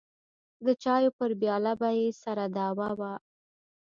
د چايو پر پياله به يې سره دعوه وه.